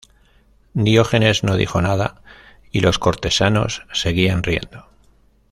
Diógenes no dijo nada, y los cortesanos seguían riendo.